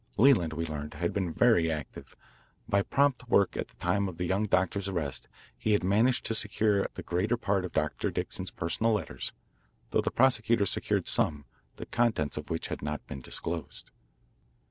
Leland, we learned, had been very active. By prompt work at the time of the young doctor's arrest he had managed to secure the greater part of Dr. Dixon's personal letters, though the prosecutor secured some, the contents of which had not been disclosed.